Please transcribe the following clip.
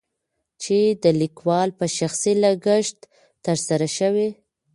چې دليکوال په شخصي لګښت تر سره شوي.